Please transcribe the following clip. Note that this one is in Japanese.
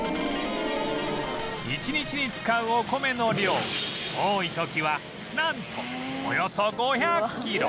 １日に使うお米の量多い時はなんとおよそ５００キロ！